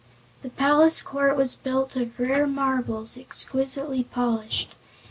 The palace court was built of rare marbles, exquisitely polished.